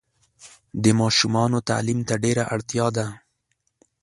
د ماشومانو تعلیم ډېره اړتیا ده.